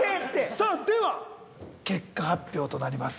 さあでは結果発表となります。